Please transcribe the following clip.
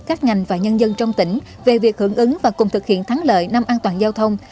các ngành và nhân dân trong tỉnh về việc hưởng ứng và cùng thực hiện thắng lợi năm an toàn giao thông